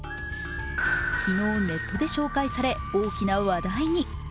昨日、ネットで紹介され、大きな話題に。